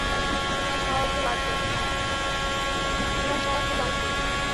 তোমার সাহায্য লাগবে।